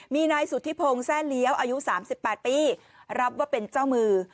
มีนายสุธิพงศ์แซ่เลี้ยวอายุ๓๘ปีรับว่าเป็นเจ้ามือ